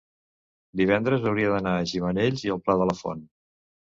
divendres hauria d'anar a Gimenells i el Pla de la Font.